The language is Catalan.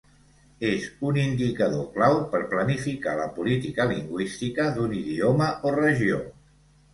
És un indicador clau per planificar la política lingüística d'un idioma o regió.